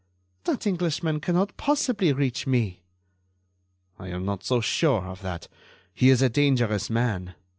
"That Englishman cannot possibly reach me." "I am not so sure of that. He is a dangerous man.